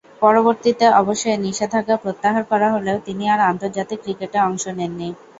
পরবর্তীতে অবশ্য এ নিষেধাজ্ঞা প্রত্যাহার করা হলেও তিনি আর আন্তর্জাতিক ক্রিকেটে অংশ নেননি।